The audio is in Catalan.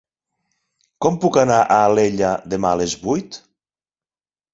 Com puc anar a Alella demà a les vuit?